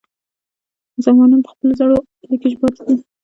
مسلمانان په خپلو زړو ابادیو کې پاتې دي.